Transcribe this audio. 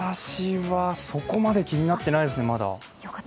私はそこまで気になっていないですね、まだ。